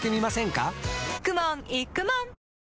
かくもんいくもん